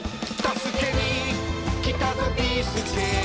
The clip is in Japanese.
「助けにきたぞビーすけ」